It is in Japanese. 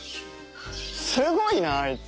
すごいなあいつ。